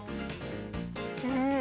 うん！